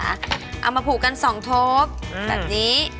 เอามาผูกกัน๒โทปแบบนี้